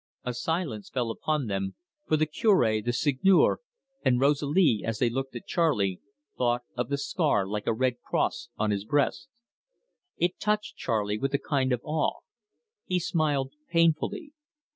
A silence fell upon them, for the Cure, the Seigneur, and Rosalie, as they looked at Charley, thought of the scar like a red cross on his breast. It touched Charley with a kind of awe. He smiled painfully.